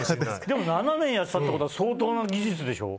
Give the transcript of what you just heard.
でも、７年やってたってことは相当な技術でしょ。